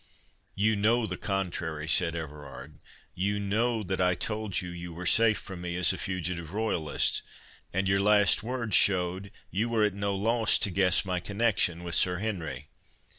"You know the contrary," said Everard; "you know that I told you you were safe from me as a fugitive royalist—and your last words showed you were at no loss to guess my connexion with Sir Henry.